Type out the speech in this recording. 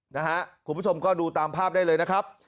คุณผู้ชมก็ดูตามภาพได้เลยนะครับ